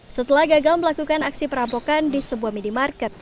setelah gagal melakukan aksi perampokan di sebuah minimarket